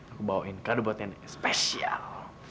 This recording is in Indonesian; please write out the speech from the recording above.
aku bawain kado buat nenek special